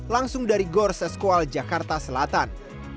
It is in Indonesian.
langsung dari gor seskual jakarta selatan